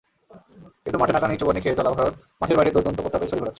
কিন্তু মাঠে নাকানি-চুবানি খেয়ে চলা ভারত মাঠের বাইরে দোর্দণ্ড প্রতাপেই ছড়ি ঘোরাচ্ছে।